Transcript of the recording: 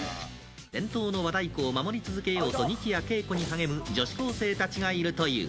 伝統の和太鼓を守り続けようと、日夜けいこに励む女子高生たちがいるという。